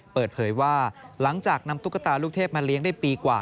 เปิดเผยว่าหลังจากนำตุ๊กตาลูกเทพมาเลี้ยงได้ปีกว่า